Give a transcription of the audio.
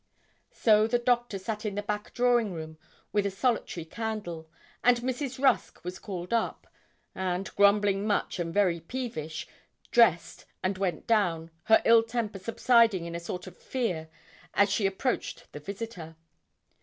So the Doctor sat in the back drawing room, with a solitary candle; and Mrs. Rusk was called up, and, grumbling much and very peevish, dressed and went down, her ill temper subsiding in a sort of fear as she approached the visitor.